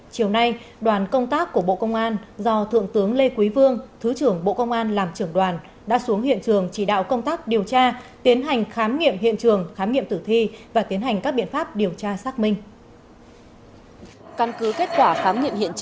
hãy đăng ký kênh để ủng hộ kênh của chúng mình nhé